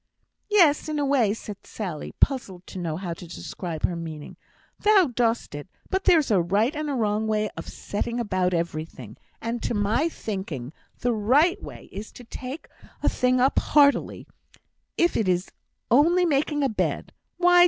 "Yes, in a way," said Sally, puzzled to know how to describe her meaning. "Thou dost it but there's a right and a wrong way of setting about everything and to my thinking, the right way is to take a thing up heartily, if it is only making a bed. Why!